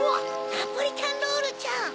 ナポリタンロールちゃん。